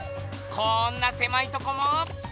こんなせまいとこも。